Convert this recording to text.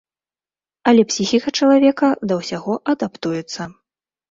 Але псіхіка чалавека да ўсяго адаптуецца.